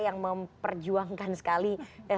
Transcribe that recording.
yang memperjuangkan sekali